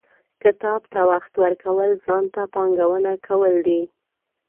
• کتاب ته وخت ورکول، ځان ته پانګونه کول دي.